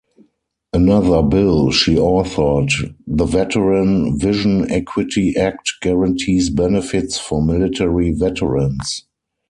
Another bill she authored, the Veteran Vision Equity Act, guarantees benefits for military veterans.